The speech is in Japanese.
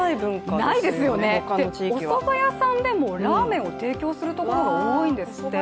ないですよね、おそば屋さんでもラーメンを提供するところが多いんですって。